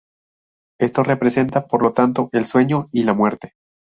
Esto representa, por lo tanto, el sueño y la muerte.